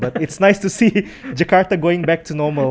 tapi ini bagus untuk melihat jakarta kembali ke normal